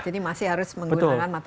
jadi masih harus menggunakan matematika